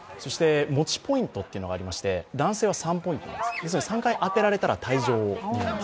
持ちイントというのがありまして男性は３ポイントなんです、３回当てられたら退場なんです。